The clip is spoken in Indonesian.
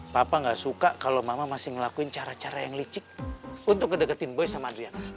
papa gak suka kalau mama masih ngelakuin cara cara yang licik untuk ngedekatin boy sama adriana